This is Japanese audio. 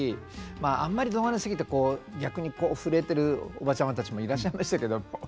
まああんまりどなり過ぎてこう逆にこう震えてるおばちゃまたちもいらっしゃいましたけども。